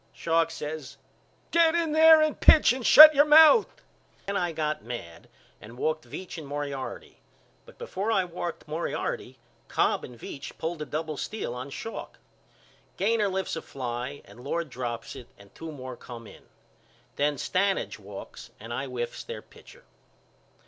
Schalk says Get in there and pitch and shut your mouth. Then I got mad and walked Veach and Moriarity but before I walked Moriarty Cobb and Veach pulled a double steal on Schalk. Gainor lifts a fly and Lord drops it and two more come in. Then Stanage walks and I whiffs their pitcher.